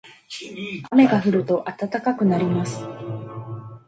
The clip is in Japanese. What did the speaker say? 雨が降ると暖かくなります。